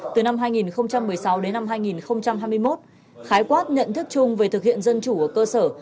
từ năm hai nghìn một mươi sáu đến năm hai nghìn hai mươi một khái quát nhận thức chung về thực hiện dân chủ ở cơ sở